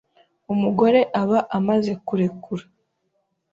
umugore aba amaze kurekura